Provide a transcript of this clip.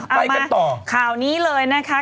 เอามาข่าวนี้เลยนะคะ